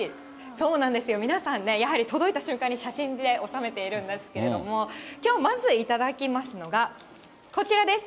そうなんですよ、皆さんね、やはり届いた瞬間に写真で収めているんですけれども、きょうまず頂きますのが、こちらです。